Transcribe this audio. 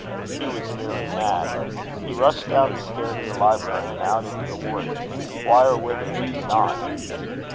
Hugh was nearly mad. He rushed down the stair to the library, and out into the wood. Why or whither he knew not.